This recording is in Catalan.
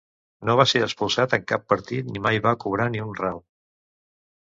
No va ser expulsat en cap partit ni mai va cobrar ni un ral.